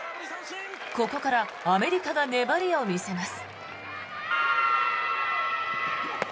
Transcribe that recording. ここからアメリカが粘りを見せます。